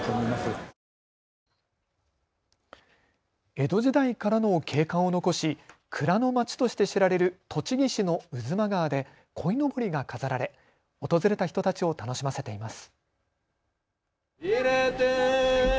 江戸時代からの景観を残し蔵の街として知られる栃木市の巴波川でこいのぼりが飾られ訪れた人たちを楽しませています。